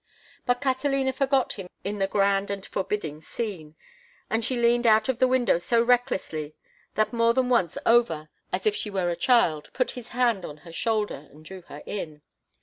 But Catalina forgot him in the grand and forbidding scene, and she leaned out of the window so recklessly that more than once Over, as if she were a child, put his hand on her shoulder and drew her in.